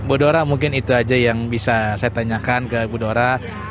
bu dora mungkin itu aja yang bisa saya tanyakan ke bu dora